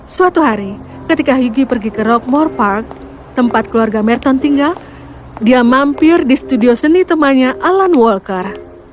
suatu hari ketika hygie pergi ke rockmore park tempat keluarga merton tinggal dia mampir di studio seni temannya alan walker